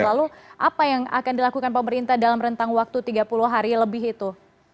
lalu apa yang akan dilakukan pemerintah dalam rentang waktu tiga puluh hari lebih itu